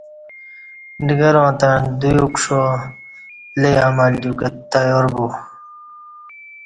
ڈگراں تݩع دوی اکݜا لے عمل دیوکں تیار بو